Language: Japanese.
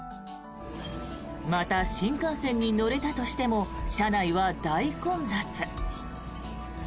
また、新幹線に乗れたとしても車内は大混雑。